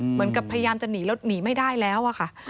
เหมือนกับพยายามจะหนีไม่ได้แล้ว